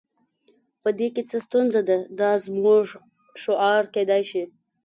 په دې کې څه ستونزه ده دا زموږ شعار کیدای شي